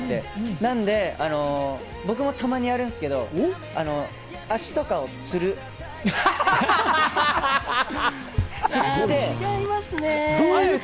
なので僕もたまにやるんですけど、足とかをつる？違いますね。